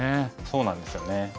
そうなんですよね。